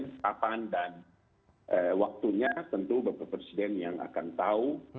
kapan dan waktunya tentu bapak presiden yang akan tahu